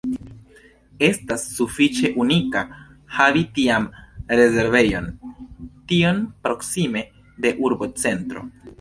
Estas sufiĉe unika havi tian rezervejon tiom proksime de urbocentro.